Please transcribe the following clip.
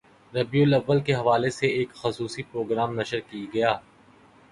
ربیع الاوّل کے حوالے سے ایک خصوصی پروگرام نشر کی گیا